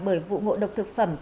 bởi vụ ngộ độc thực phẩm